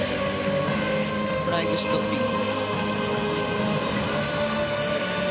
フライングシットスピン。